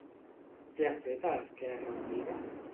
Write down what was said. Què ha fet a Esquerra Unida?